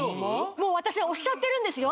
もう私押しちゃってるんですよ